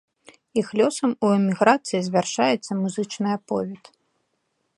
Іх лёсамі ў эміграцыі завяршаецца музычны аповед.